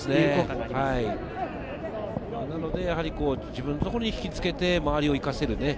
なので自分のところに引きつけて、周りを生かせる。